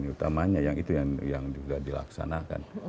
utamanya yang itu yang juga dilaksanakan